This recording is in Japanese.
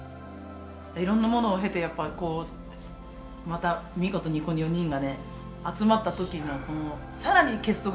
いろんなものを経てやっぱこうまた見事にこの４人がね集まった時の更に結束